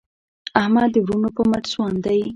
احمد د وروڼو په مټ ځوان دی.